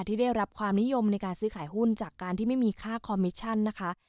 ที่ได้รับความนิยมในการซื้อขายหุ้นจากการที่ไม่มีค่าคอมมิชชั่นนะคะ